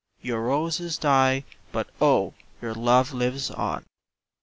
Your roses die, but oh, your love lives on!